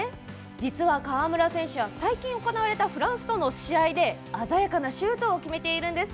実は川村選手は最近行われたフランスとの試合で鮮やかなシュートを決めているんです。